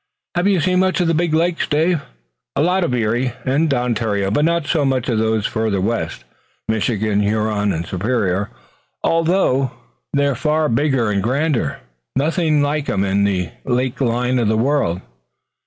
"Have you seen much of the big lakes, Dave?" "A lot of Erie and Ontario, but not so much of those farther west, Michigan, Huron and Superior, although they're far bigger and grander. Nothing like 'em in the lake line in this world.